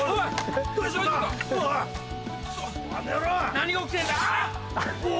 何が起きてんだあぁ！